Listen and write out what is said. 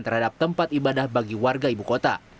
terhadap tempat ibadah bagi warga ibu kota